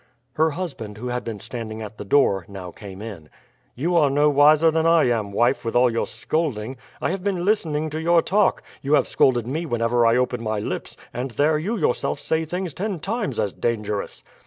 Her husband, who had been standing at the door, now came in. "You are no wiser than I am, wife, with all your scolding. I have been listening to your talk; you have scolded me whenever I open my lips, and there you yourself say things ten times as dangerous."